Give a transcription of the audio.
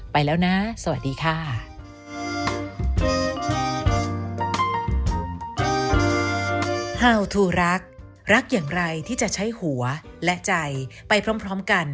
ไปแล้วนะสวัสดีค่ะ